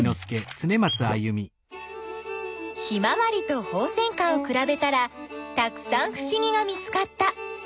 ヒマワリとホウセンカをくらべたらたくさんふしぎが見つかった。